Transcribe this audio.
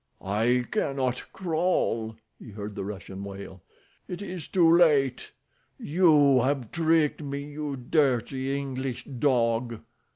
"I cannot crawl," he heard the Russian wail. "It is too late. You have tricked me, you dirty English dog."